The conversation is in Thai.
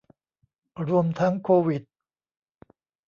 รวมทั้งโควิด